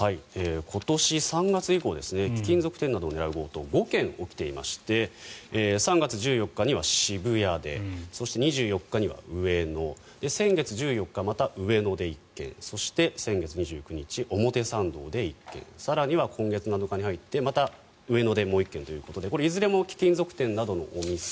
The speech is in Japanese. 今年３月以降貴金属店などを狙う強盗５件起きていまして３月１４日には渋谷でそして、２４日には上野先月１４日、また上野で１件そして、先月２９日表参道で１件更には今月７日に入ってまた上野でもう１件ということでこれはいずれも貴金属店などのお店。